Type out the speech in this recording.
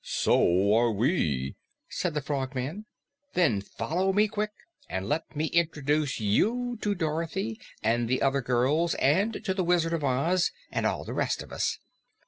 "So are we," said the Frogman. "Then follow me, quick! And let me introduce you to Dorothy and the other girls and to the Wizard of Oz and all the rest of us."